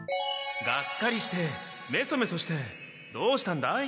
がっかりしてめそめそしてどうしたんだい？